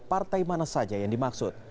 partai mana saja yang dimaksud